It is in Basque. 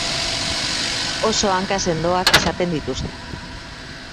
Oso hanka sendoak izaten dituzte.